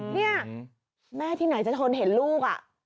เนี่ยแม่ที่ไหนจะทนเห็นลูก